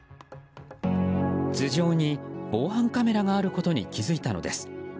頭上に防犯カメラがあることに気づいたのです。